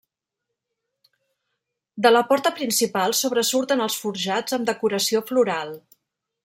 De la porta principal sobresurten els forjats amb decoració floral.